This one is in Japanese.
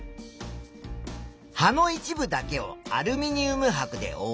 葉の一部だけをアルミニウムはくでおおい